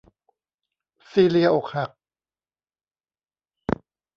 ซีเลียอกหัก